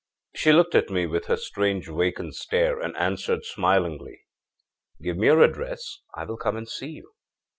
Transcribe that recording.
âShe looked at me with her strange vacant stare, and answered smilingly: â'Give me your address. I will come and see you.'